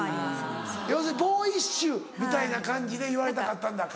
要するにボーイッシュみたいな感じで言われたかったんだ。